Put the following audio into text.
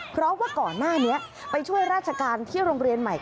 เพราะว่าก่อนหน้านี้ไปช่วยราชการที่โรงเรียนใหม่